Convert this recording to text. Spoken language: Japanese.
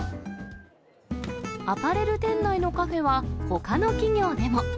アパレル店内のカフェは、ほかの企業でも。